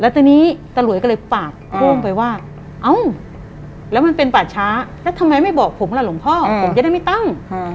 แล้วทีนี้ตะหลวยก็เลยปากโค้งไปว่าเอ้าแล้วมันเป็นป่าช้าแล้วทำไมไม่บอกผมล่ะหลวงพ่อผมจะได้ไม่ตั้ง